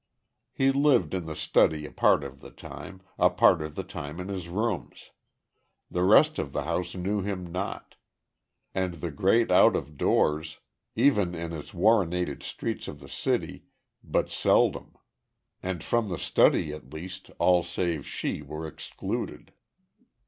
He lived in the study a part of the time, a part of the time in his rooms. The rest of the house knew him not; and the great out of doors, even in its warrenated streets of the city, but seldom. And from the study, at least, all save She were excluded.